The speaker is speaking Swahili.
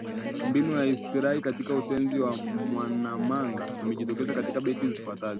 Mbinu ya istiari katika Utenzi wa Mwanamanga imejitokeza katika beti zifuatazo